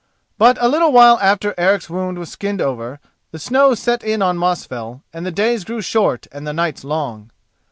But a little while after Eric's wound was skinned over, the snows set in on Mosfell, and the days grew short and the nights long.